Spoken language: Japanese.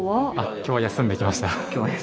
きょうは休んで来ました。